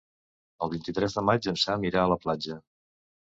El vint-i-tres de maig en Sam irà a la platja.